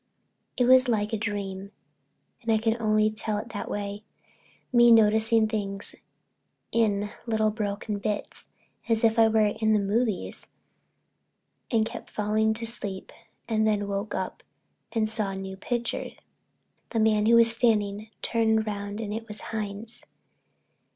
It was like a dream and I can only tell it that way—me noticing things in little broken bits, as if I was at the "movies" and kept falling to sleep, and then woke up and saw a new picture. The man who was standing turned round and it was Hines.